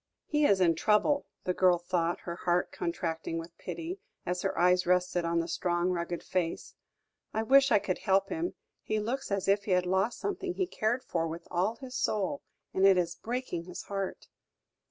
"He is in trouble," the girl thought, her heart contracting with pity, as her eyes rested on the strong, rugged face. "I wish I could help him; he looks as if he had lost something he cared for with all his soul, and it is breaking his heart!"